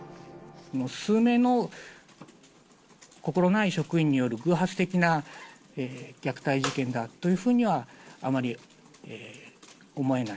数名の心ない職員による偶発的な虐待事件だというふうにはあまり思えない。